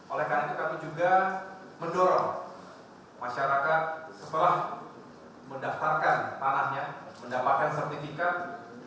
oleh karena itu kami juga mendorong masyarakat setelah mendaftarkan tanahnya mendapatkan sertifikat